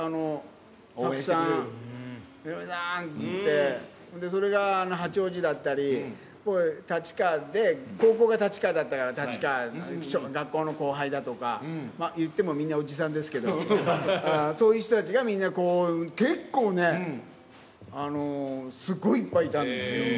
たくさんヒロミさんって言って、それが八王子だったり、俺、立川で高校が立川だったから立川、学校の後輩だとか、いってもみんなおじさんですけど、そういう人たちがみんな、結構ね、すごいいっぱいいたんですよ。